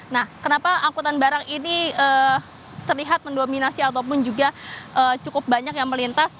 nah kenapa angkutan barang ini terlihat mendominasi ataupun juga cukup banyak yang melintas